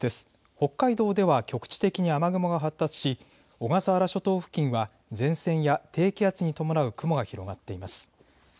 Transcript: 北海道では局地的に雨雲が発達し小笠原諸島付近は前線や低気圧に伴う雲が広がっています。